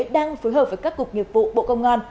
đang phối hợp với các cục nghiệp vụ bộ công an